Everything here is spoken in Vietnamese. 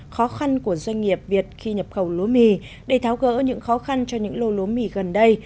khó khăn của doanh nghiệp việt khi nhập khẩu lúa mì để tháo gỡ những khó khăn cho những lô lúa mì gần đây